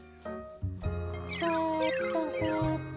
そっとそっと。